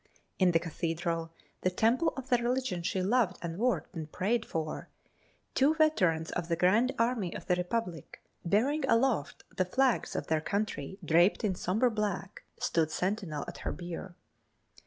In the Cathedral, the temple of the religion she loved and worked and prayed for, two veterans of the Grand Army of the Republic, bearing aloft the flags of their country draped in sombre black, stood sentinel at her bier.